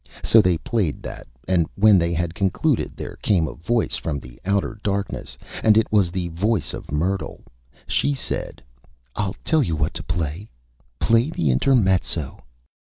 So they played that, and when they had Concluded there came a Voice from the Outer Darkness, and it was the Voice of Myrtle. She said: "I'll tell you what to Play; play the Intermezzo."